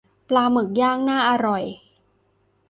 ปลาหมึกย่างน่าอร่อย